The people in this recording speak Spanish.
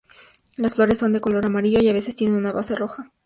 Las flores son de color amarillo y a veces tienen una base roja.